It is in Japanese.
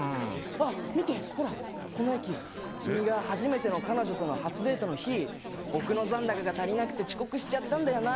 見て、ほら、この駅、君が初めての彼女との初デートの日、僕の残高が足りなくて遅刻しちゃったんだよな。